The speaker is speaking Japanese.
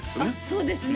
そうですね